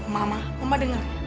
mama mama denger